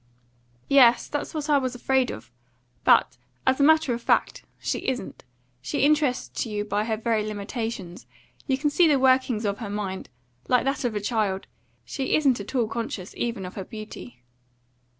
"Yes, that's what I was afraid of. But, as a matter of fact, she isn't. She interests you by her very limitations. You can see the working of her mind, like that of a child. She isn't at all conscious even of her beauty."